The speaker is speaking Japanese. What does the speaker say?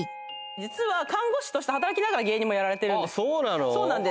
実は看護師として働きながら芸人もやられてるんですあっそうなの？